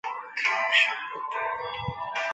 县名来自波尼族印第安人。